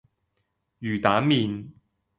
魚蛋麪